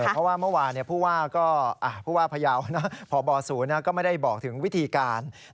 เพราะว่าเมื่อวานพ่อบอสูรก็ไม่ได้บอกถึงวิธีการ